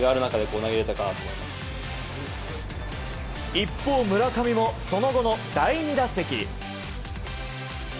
一方、村上もその後の第２打席。